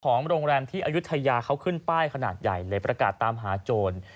ของโรงแรมที่อายุทยาเขาขึ้นป้ายขนาดใหญ่เลยประกาศตามหาโจร